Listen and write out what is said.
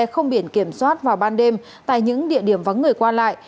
không biển kiểm soát vào ban đêm tại những địa điểm vắng người qua lại